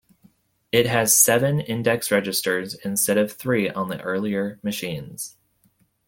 It has seven index registers, instead of three on the earlier machines.